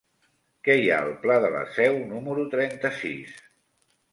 Què hi ha al pla de la Seu número trenta-sis?